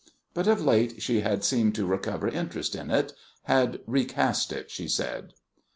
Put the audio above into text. But of late she had seemed to recover interest in it had recast it, she said.